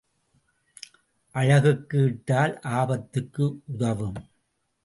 அழகுக்கு இட்டால் ஆபத்துக்கு உதவும்.